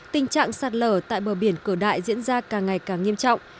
tình trạng sạt lở tại bờ biển cửa đại diễn ra càng ngày càng nghiêm trọng